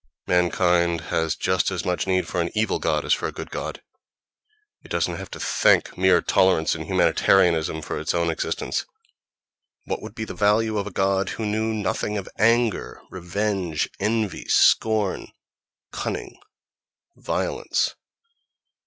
Mankind has just as much need for an evil god as for a good god; it doesn't have to thank mere tolerance and humanitarianism for its own existence.... What would be the value of a god who knew nothing of anger, revenge, envy, scorn, cunning, violence?